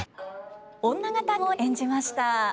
女方を演じました。